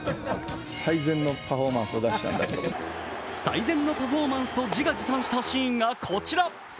最善のパフォーマンスと自画自賛したシーンがこちら。